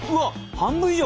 半分以上！？